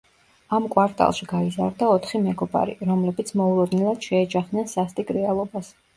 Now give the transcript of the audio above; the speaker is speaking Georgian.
ამ კვარტალში გაიზარდა ოთხი მეგობარი, რომლებიც მოულოდნელად შეეჯახნენ სასტიკ რეალობას.